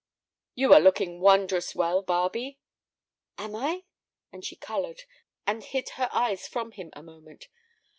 "You are looking wondrous well, Barbe!" "Am I?" And she colored, and hid her eyes from him a moment.